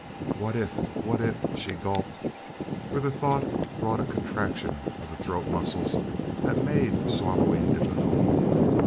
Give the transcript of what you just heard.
"What if what if " she gulped, for the thought brought a contraction of the throat muscles that made swallowing difficult.